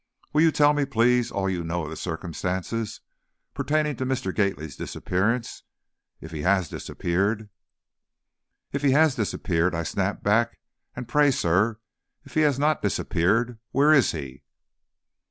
Will you tell me, please, all you know of the circumstances pertaining to Mr. Gately's disappearance, if he has disappeared?" "If he has disappeared!" I snapped back; "and, pray, sir, if he has not disappeared, where is he?"